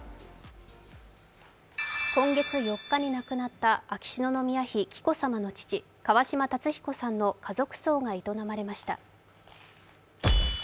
今月４日に亡くなった秋篠宮妃・紀子さまの父、川嶋辰彦さんの家族葬が営まれました。